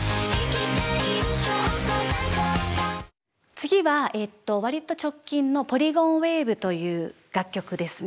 次は割と直近の「ポリゴンウェイヴ」という楽曲ですね。